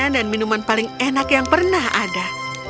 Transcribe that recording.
makanan dan minuman paling enak yang pernah ada